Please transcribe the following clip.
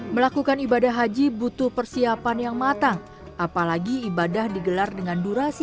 melakukan ibadah haji butuh persiapan yang matang apalagi ibadah digelar dengan durasi